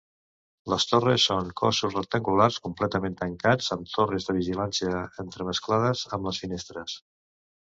Les torres són cossos rectangulars completament tancats, amb torres de vigilància entremesclades amb les finestres.